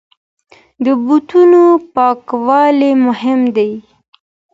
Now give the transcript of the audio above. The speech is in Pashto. د بوټانو پاکوالی مهم دی.